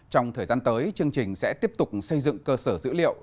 trong thời gian tới chương trình sẽ tiếp tục xây dựng cơ sở dữ liệu